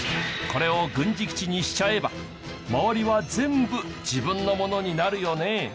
これを軍事基地にしちゃえば周りは全部自分のものになるよね！